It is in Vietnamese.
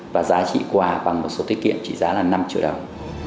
và giá trị quà bằng một số tiết kiệm trị giá là năm triệu đồng